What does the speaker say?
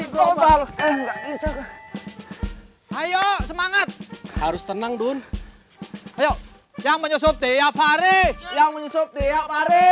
global ayo semangat harus tenang dulu ayo yang menyusup tiap hari yang menyusup tiap hari